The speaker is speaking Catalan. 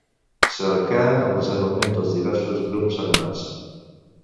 Cercar el desarmament dels diversos grups armats.